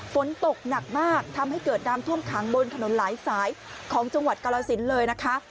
ฝนตกหนักมากทำให้เกิดน้ำท่วมขังบนถนนหลายสายของจังหวัดกรสินเลยนะคะ